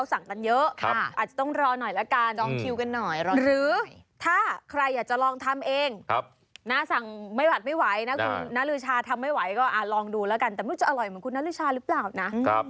ลองดูแล้วกันแต่ไม่รู้จะอร่อยเหมือนคุณนัทลืชาหรือเปล่านะ